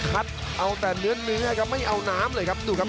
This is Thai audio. เอาแต่เนื้อครับไม่เอาน้ำเลยครับดูครับ